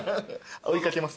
追い掛けます。